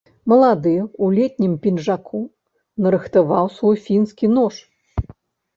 Малады ў летнім пінжаку нарыхтаваў свой фінскі нож.